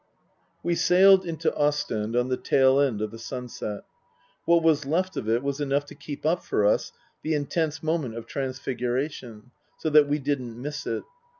We sailed into Ostend on the tail end of the sunset. What was left of it was enough to keep up for us the in tense moment of transfiguration, so that we didn't miss it.